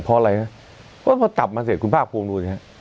เพราะอะไรนะก็พอจับมาเสร็จคุณภาคภูมิดูสิฮะ